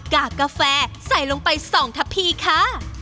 กากกาแฟใส่ลงไป๒ทับพีค่ะ